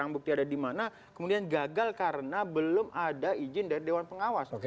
bukti ada di mana kemudian gagal karena belum ada izin dari dewan pengawas